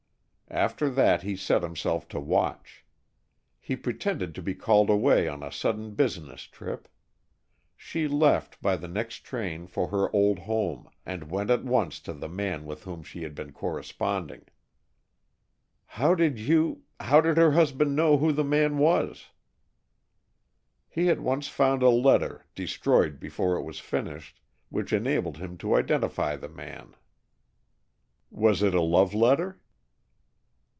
After that he set himself to watch. He pretended to be called away on a sudden business trip. She left, by the next train, for her old home, and went at once to the man with whom she had been corresponding." "How did you how did her husband know who the man was?" "He had once found a letter, destroyed before it was finished, which enabled him to identify the man." "Was it a love letter?"